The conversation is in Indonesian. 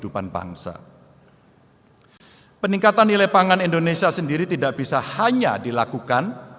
peningkatan nilai pangan indonesia sendiri tidak bisa hanya dilakukan